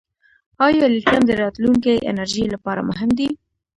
آیا لیتیم د راتلونکي انرژۍ لپاره مهم دی؟